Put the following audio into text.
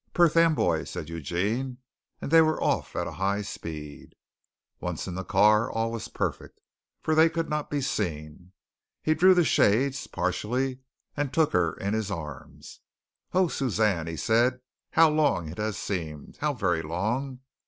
"Perth Amboy," said Eugene, and they were off at high speed. Once in the car all was perfect, for they could not be seen. He drew the shades partially and took her in his arms. "Oh, Suzanne," he said, "how long it has seemed. How very long.